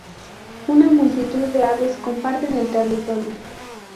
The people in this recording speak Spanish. Una multitud de aves comparten el territorio.